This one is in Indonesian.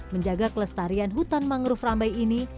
menjaga kelestarian hutan mangrove rambai ini